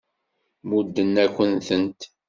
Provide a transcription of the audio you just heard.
Mudden-akent-tent.